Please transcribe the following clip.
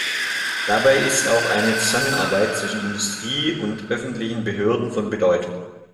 Dabei ist auch die Zusammenarbeit zwischen Industrie und öffentlichen Behörden von Bedeutung.